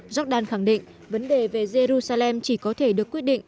jordan khẳng định vấn đề về jerusalem chỉ có thể được quyết định